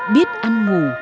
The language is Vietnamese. biết ăn ngủ